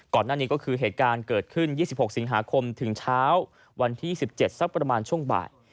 ก่อนหน้านี้ก็คือเหตุการณ์เกิดขึ้น๒๖สิงหาคมถึงเช้าวันที่๑๗สักประมาณช่วงบ่าย